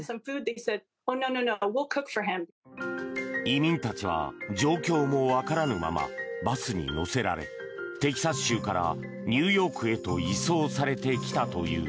移民たちは状況も分からぬままバスに乗せられテキサス州からニューヨークへと移送されてきたという。